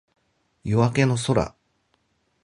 夜明けの空